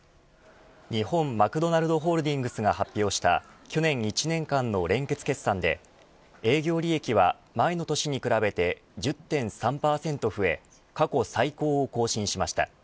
日本マクドナルドホールディングスが発表した去年１年間の連結決算で営業利益は前の年に比べて１０．３％増え過去最高を更新しました。